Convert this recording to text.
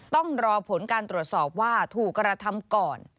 ต้องรอผลการตรวจสอบว่าถูกกระทำก่อน